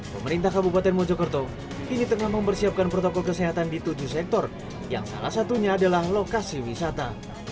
pemerintah kabupaten mojokerto kini tengah mempersiapkan protokol kesehatan di tujuh sektor yang salah satunya adalah lokasi wisata